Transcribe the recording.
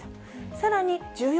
さらに１４